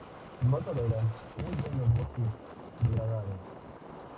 No toleran muy bien los bosques degradados.